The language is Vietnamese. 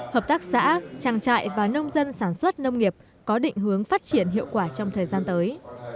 hợp tác xã trang trại và nông dân sản xuất nông nghiệp có định hướng phát triển hiệu quả trong thời gian tới